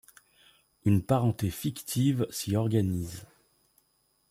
Une parenté fictive s'y organise.